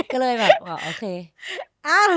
ก็เลยแบบโอเค